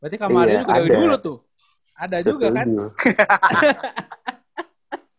berarti kamal itu kedua dua tuh ada juga kan